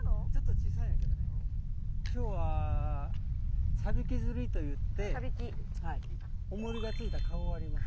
今日は「サビキ釣り」といっておもりがついたカゴがあります。